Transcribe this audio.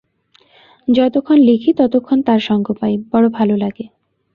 যতক্ষণ লিখি ততক্ষণ তাঁর সঙ্গ পাই, বড় ভালো লাগে।